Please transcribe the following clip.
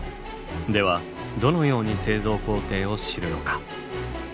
ではどのように製造工程を知るのか？